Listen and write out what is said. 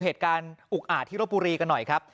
เหตุการณ์อุกอาจที่รบบุรีกันหน่อยครับ